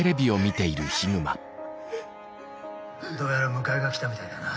「どうやら迎えが来たみたいだな。